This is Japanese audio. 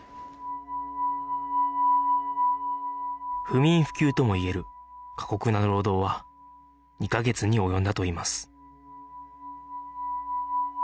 不眠不休ともいえる過酷な労働は２カ月に及んだといいます